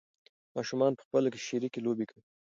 ماشومان په خپلو کې شریکې لوبې کوي.